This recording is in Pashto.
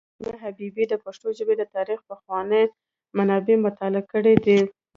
علامه حبیبي د پښتو ژبې د تاریخ پخواني منابع مطالعه کړي دي.